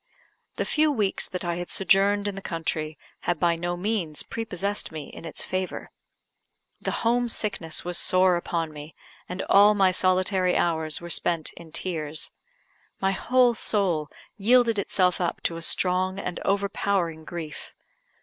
The few weeks that I had sojourned in the country had by no means prepossessed me in its favour. The home sickness was sore upon me, and all my solitary hours were spent in tears. My whole soul yielded itself up to a strong and overpowering grief.